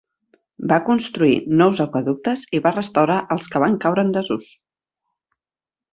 Va construir nous aqüeductes i va restaurar els que van caure en desús.